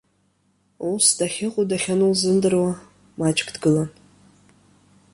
Ус, дахьыҟоу-дахьану лзымдыруа, маҷк дгылан.